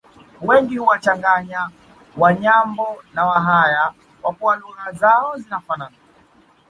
Wengi huwachanganya Wanyambo na wahaya kwa kuwa lugha zao zinafanana